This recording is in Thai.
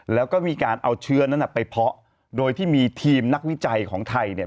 แล้วก็มีการเอาเชื้อนั้นไปเพาะโดยที่มีทีมนักวิจัยของไทยเนี่ย